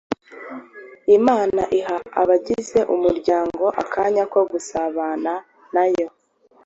Imana iha abagize umuryango akanya ko gusabana na yo,